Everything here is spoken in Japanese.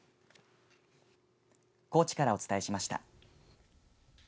高知からお伝えしました。